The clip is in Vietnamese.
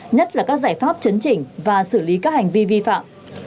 nhất là các giải pháp chấn chỉnh và xử lý các hành vi vi phạm